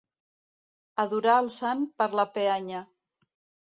Adorar el sant per la peanya.